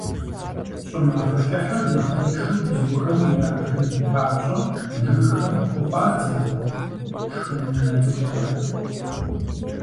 ЩӀымахуэ кӀыхьыр нэхъ тыншу бзухэм ирахын папщӀэ, жыгхэм хуфӀадзэ шхын унэ цӀыкӀухэр.